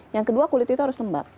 yang kedua kulit itu harus lembab